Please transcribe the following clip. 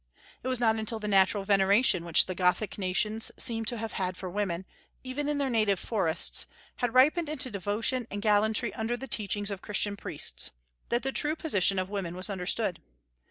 It was not until the natural veneration which the Gothic nations seem to have had for women, even in their native forests, had ripened into devotion and gallantry under the teachings of Christian priests, that the true position of women was understood.